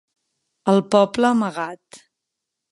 El poble amagat.